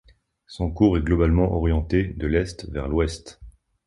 Son cours est globalement orienté de l'est vers l'ouest.